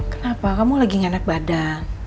kenapa kamu lagi nganak badan